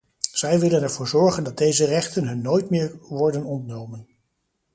Zij willen ervoor zorgen dat deze rechten hun nooit meer worden ontnomen.